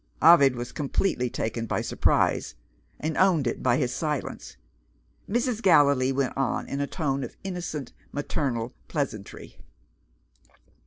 Ovid was completely taken by surprise, and owned it by his silence. Mrs. Gallilee went on in a tone of innocent maternal pleasantry.